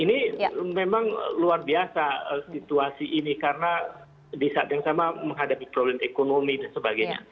dan ini memang luar biasa situasi ini karena di saat yang sama menghadapi problem ekonomi dan sebagainya